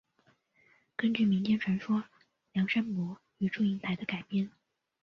根据民间传说梁山伯与祝英台的改编。